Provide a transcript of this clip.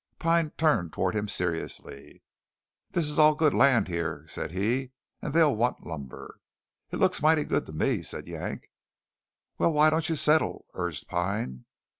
Pine turned toward him seriously. "This is all good land yere," said he, "and they'll want lumber." "It looks mighty good to me," said Yank. "Well, why don't you settle?" urged Pine.